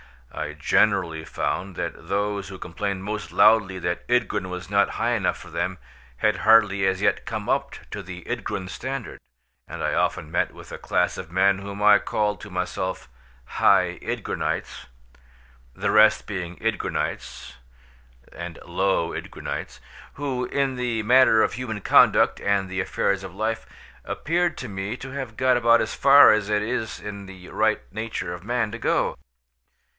I generally found that those who complained most loudly that Ydgrun was not high enough for them had hardly as yet come up to the Ydgrun standard, and I often met with a class of men whom I called to myself "high Ydgrunites" (the rest being Ydgrunites, and low Ydgrunites), who, in the matter of human conduct and the affairs of life, appeared to me to have got about as far as it is in the right nature of man to go.